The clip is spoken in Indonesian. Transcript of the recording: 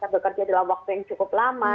bekerja dalam waktu yang cukup lama